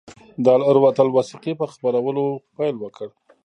د العروة الوثقی په خپرولو پیل وکړ.